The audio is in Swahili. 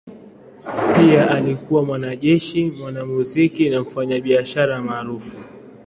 Pia alikuwa mwanajeshi, mwanamuziki na mfanyabiashara maarufu.